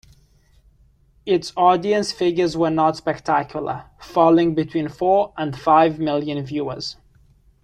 Its audience figures were not spectacular, falling between four and five million viewers.